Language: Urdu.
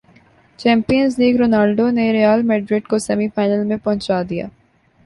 چیمپئنز لیگرونالڈو نے ریال میڈرڈ کوسیمی فائنل میں پہنچادیا